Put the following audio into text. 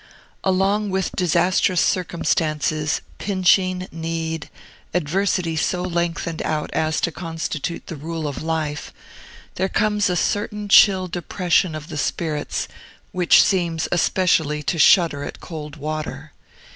Along with disastrous circumstances, pinching need, adversity so lengthened out as to constitute the rule of life, there comes a certain chill depression of the spirits which seems especially to shudder at cold water.